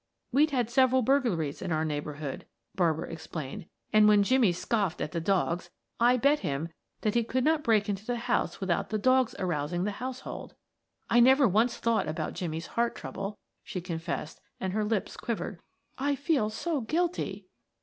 We've had several burglaries in our neighborhood," Barbara explained, "and when Jimmie scoffed at the dogs, I bet him that he could not break into the house without the dogs arousing the household. I never once thought about Jimmie's heart trouble," she confessed, and her lips quivered. "I feel so guilty."